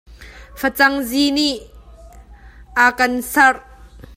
Facangzi nih a ka sarh.